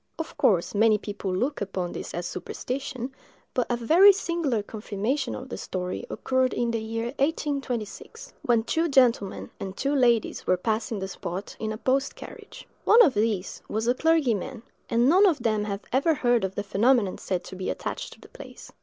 Of course, many people look upon this as a superstition; but a very singular confirmation of the story occurred in the year 1826, when two gentlemen and two ladies were passing the spot in a post carriage. One of these was a clergyman, and none of them had ever heard of the phenomenon said to be attached to the place.